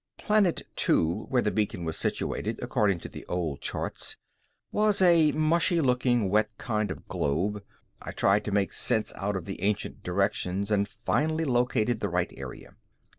Planet two, where the beacon was situated according to the old charts, was a mushy looking, wet kind of globe. I tried to make sense out of the ancient directions and finally located the right area.